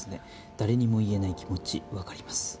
「誰にも言えない気持ちわかります」